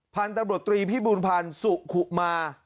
พันธุ์ตำรวจตรีพิบูรพันธ์สุขุมา